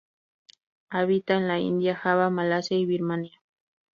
Habita en la India, Java, Malasia y Birmania.